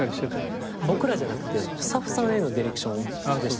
僕らじゃなくてスタッフさんへのディレクションでしたよね。